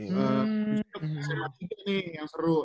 untuk sma tiga nih yang seru